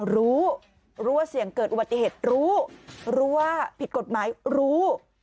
รู้รู้ว่าเสี่ยงเกิดอุบัติเหตุรู้รู้ว่าผิดกฎหมายรู้